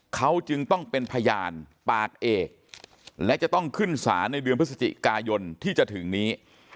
เขาจึงต้องเป็นพยานปากเอกและจะต้องขึ้นศาลในเดือนพฤศจิกายนที่จะถึงนี้